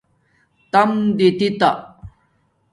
تام دیتی